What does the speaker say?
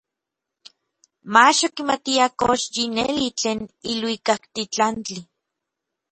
Mach okimatia kox yi neli tlen iluikaktitlantli.